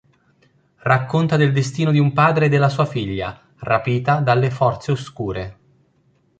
Racconta del destino di un padre e della sua figlia, rapita dalle forze oscure.